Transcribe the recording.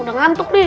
udah ngantuk nih